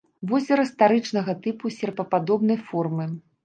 Возера старычнага тыпу, серпападобнай формы.